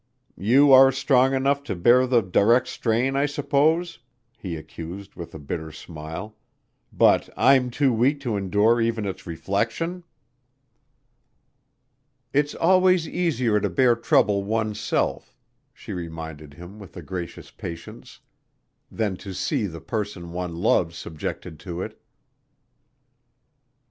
"You are strong enough to bear the direct strain, I suppose," he accused with a bitter smile. "But I'm too weak to endure even its reflection." "It's always easier to bear trouble oneself," she reminded him with a gracious patience, "than to see the person one loves subjected to it."